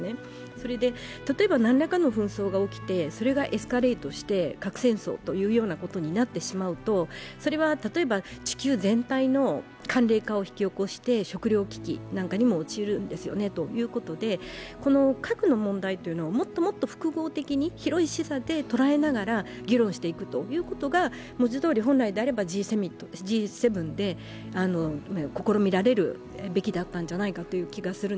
それで例えば何らかの紛争が起きて、それがエスカレートして核戦争というようなことになってしまうと、それは例えば地球全体の寒冷化を引き起こして食糧危機なんかも陥るんですよということで、この核の問題をもっともっと複合的に広い視座で捉えながら議論していくということが、文字どおり本来であれがＧ７で試みられることだと思います。